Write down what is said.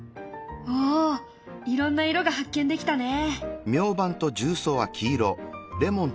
おおいろんな色が発見できたね。